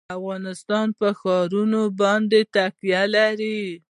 افغانستان په ښارونه باندې تکیه لري.